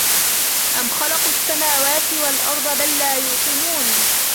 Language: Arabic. أَمْ خَلَقُوا السَّمَاوَاتِ وَالْأَرْضَ بَلْ لَا يُوقِنُونَ